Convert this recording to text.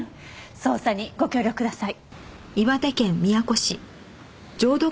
捜査にご協力ください。